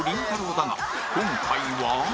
だが今回は